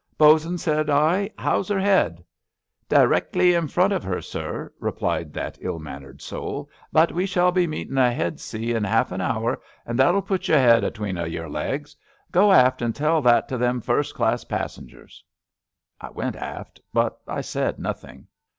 Bo 'sun,'' said I, how's her head? "Direckly in front of her, sir," replied that ill mannered soul, *^ but we shall be meetin' a head sea in half an hour that'll put your head atween of your legs. Go aft an' tell that to them, first class passengers." I went aft, but I said nothing.